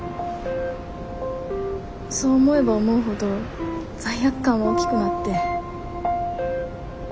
そう思えば思うほど罪悪感は大きくなって。